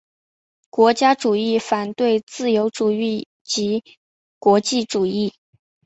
国家主义反对自由主义及国际主义。